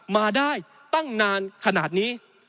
มาได้ตั้งนานขนาดนี้